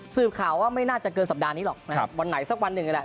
ข่าวว่าไม่น่าจะเกินสัปดาห์นี้หรอกนะครับวันไหนสักวันหนึ่งแหละ